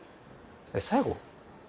えっ最後？